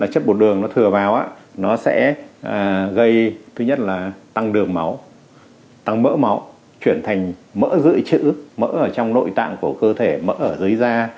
chất bột đường thừa vào sẽ gây tăng đường máu tăng mỡ máu chuyển thành mỡ dưỡi chữ mỡ trong nội tạng của cơ thể mỡ ở dưới da